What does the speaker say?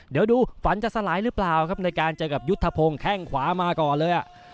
เดี๋ยวดูฝันจะสลายหรือเปล่าครับในการเจอกับยุทธพงศ์แข้งขวามาก่อนเลยอ่ะ